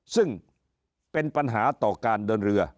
ซึ่งเป็นปัญหาต่อการเดินเรือ